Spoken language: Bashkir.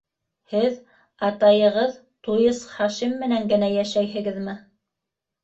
Һеҙ... атайығыҙ, туйыс Хашим менән генә йәшәйһегеҙме?